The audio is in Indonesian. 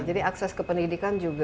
jadi akses ke pendidikan juga